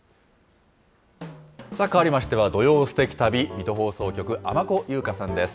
変わりましては、土曜すてき旅、水戸放送局、尼子佑佳さんです。